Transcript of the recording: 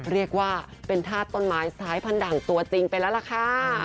เรียกว่าเป็นธาตุต้นไม้สายพันธังตัวจริงไปแล้วล่ะค่ะ